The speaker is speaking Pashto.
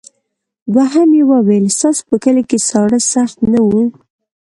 دوهم یې وویل ستاسې په کلي کې ساړه سخت نه وو.